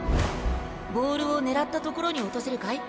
ボールを狙った所に落とせるかい？